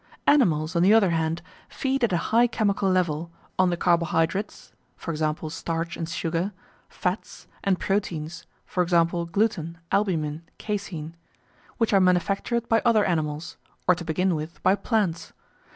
Animals, on the other hand, feed at a high chemical level, on the carbohydrates (e.g. starch and sugar), fats, and proteins (e.g. gluten, albumin, casein) which are manufactured by other animals, or to begin with, by plants.